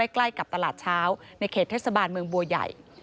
ใกล้กับตลาดเช้าในเขตเทศบาลเมืองบัวใหญ่